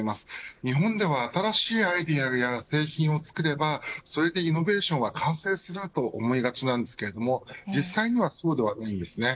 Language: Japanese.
日本では新しいアイデアや製品を作ればそれでイノベーションは完成すると思いがちですが実際にはそうではないんです。